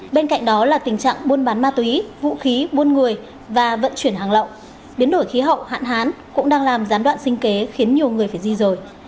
bên cạnh đó là tình trạng buôn bán ma túy vũ khí buôn người và vận chuyển hàng lậu biến đổi khí hậu hạn hán cũng đang làm gián đoạn sinh kế khiến nhiều người phải di rời